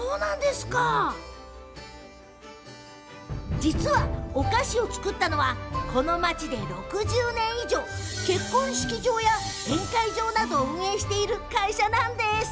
実は、お菓子を作ったのはこの町で６０年以上結婚式場や宴会場などを運営している会社。